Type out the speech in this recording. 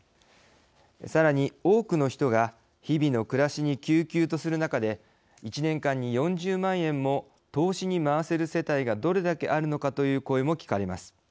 さらに多くの人が日々の暮らしにきゅうきゅうとする中で１年間に４０万円も投資に回せる世帯がどれだけあるのかという声も聞かれます。